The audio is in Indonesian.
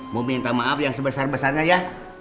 mau minta maaf yang sebesar besarnya ya